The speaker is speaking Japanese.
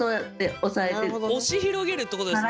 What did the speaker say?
押し広げるってことですね？